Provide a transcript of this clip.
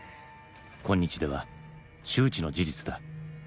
今日では周知の事実だ。